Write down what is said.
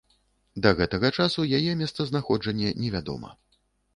Да гэтага часу яе месцазнаходжанне невядома.